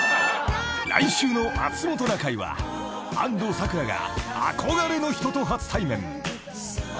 ［来週の『まつもｔｏなかい』は安藤サクラが憧れの人と初対面］